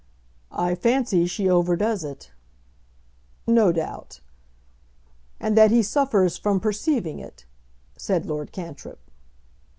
"I fancy she overdoes it." "No doubt." "And that he suffers from perceiving it," said Lord Cantrip.